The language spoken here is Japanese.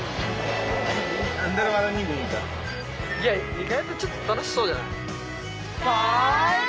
意外とちょっと楽しそうじゃない？